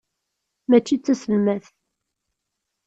Mačči d taselmadt.